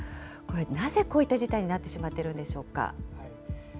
なぜこういった事態になってしまってるんでしょうか。